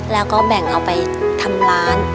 แล้วก็แบ่งเอาไปทำร้าน